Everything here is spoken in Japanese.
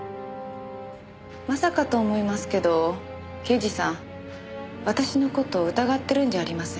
まさかと思いますけど刑事さん私の事疑ってるんじゃありません？